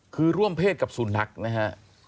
คือร่วมเพศกับสุนัขนะฮะ